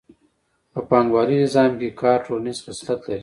په پانګوالي نظام کې کار ټولنیز خصلت لري